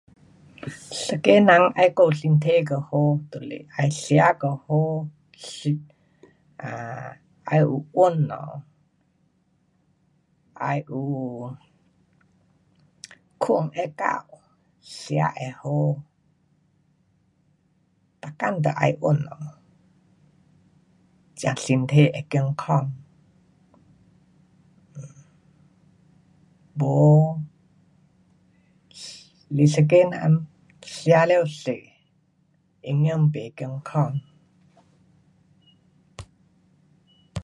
一个人要顾身体到好就是要吃得好，[um][um]要有运动，要有 睡有够，吃会好。每天都要运动。才身体会健康。[um]不，是一个人吃了坐，永远不健康。